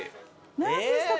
何ですか？